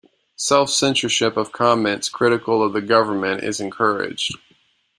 Self-censorship of comments critical of the government is encouraged.